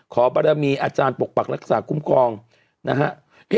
ขอบรมีอาจารย์ปกปักรักษาคุ้มครองนะฮะ